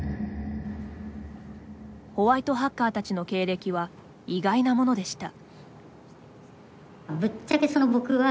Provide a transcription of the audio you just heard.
ホワイトハッカーたちの経歴は意外なものでした。